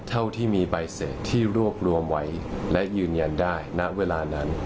เท่าที่มีใบเสร็จที่รวบรวมไว้และยืนยันได้ณเวลานั้น